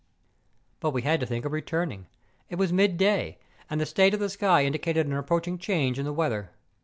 But we had to think of returning; it was mid 140 MOUNTAIN ADVENTUEES. day, and the state of the sky indicated an approach¬ ing change in the weather.